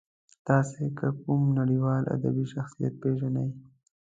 تاسې که کوم نړیوال ادبي شخصیت پېژنئ.